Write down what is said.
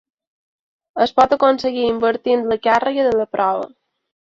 Es pot aconseguir invertint la càrrega de la prova.